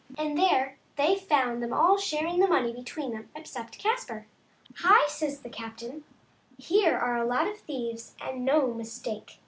— and there they found them all sharing the money between them, except Caspar. " Hi !" says the captain, " here are a lot of thieves, and no mistake